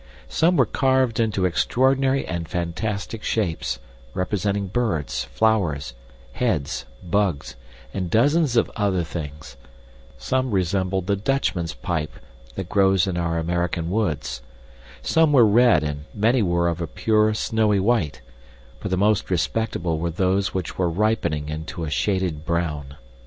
Some were carved into extraordinary and fantastic shapes, representing birds, flowers, heads, bugs, and dozens of other things; some resembled the "Dutchman's pipe" that grows in our American woods; some were red and many were of a pure, snowy white; but the most respectable were those which were ripening into a shaded brown.